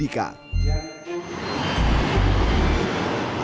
dan juga pemerintah pendidikan